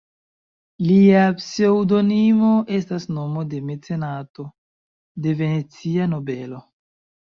Lia pseŭdonimo estas nomo de mecenato, de Venecia nobelo.